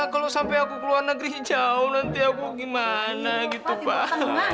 kalau sampai aku keluar negeri jauh nanti aku gimana gitu pak